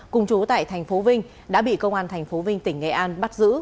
cùng chú tại tp vinh đã bị công an tp vinh tỉnh nghệ an bắt giữ